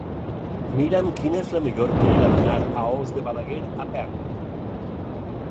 Mira'm quina és la millor manera d'anar a Os de Balaguer a peu.